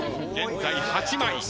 現在８枚。